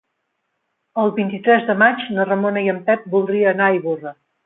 El vint-i-tres de maig na Ramona i en Pep voldria anar a Ivorra.